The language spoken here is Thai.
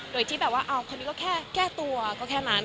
โดยที่แบบว่าเอาคนนี้ก็แค่แก้ตัวก็แค่นั้น